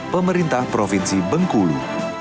pemerintah provinsi bengkulu